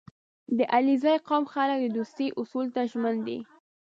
• د علیزي قوم خلک د دوستۍ اصولو ته ژمن دي.